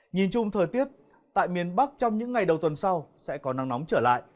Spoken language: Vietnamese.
nhìn chung thời tiết tại miền bắc trong những ngày đầu tuần sau sẽ có nắng nóng trở lại